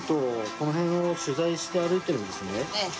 この辺を取材して歩いているんですね。